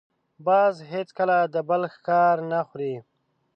باز هېڅکله د بل ښکار نه خوري